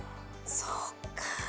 そっかぁ。